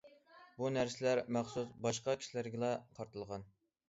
بۇ« نەرسىلەر» مەخسۇس باشقا كىشىلەرگىلا قارىتىلغان.